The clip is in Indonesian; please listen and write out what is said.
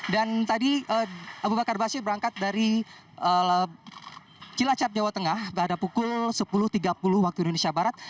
dan tadi abu bakar aba asyir berangkat dari cilacap jawa tengah pada pukul sepuluh tiga puluh waktu indonesia barat